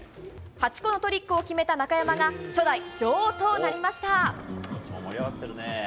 ８個のトリックを決めた中山が初代女王となりました。